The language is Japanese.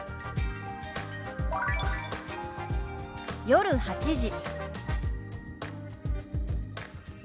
「夜８時」。